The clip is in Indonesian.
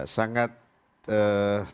sangat tidak enak kemarin ini